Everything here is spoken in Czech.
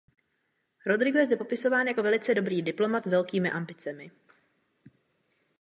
Rodrigo je zde popisován jako velice dobrý diplomat s velkými ambicemi.